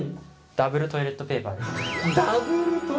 ダブルトイレットペーパー？